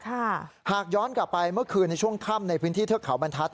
หากย้อนกลับไปเมื่อคืนในช่วงค่ำในพื้นที่เทือกเขาบรรทัศน